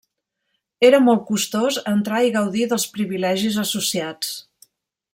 Era molt costós entrar i gaudir dels privilegis associats.